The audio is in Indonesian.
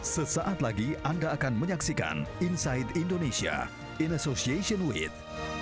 sesaat lagi anda akan menyaksikan inside indonesia in association with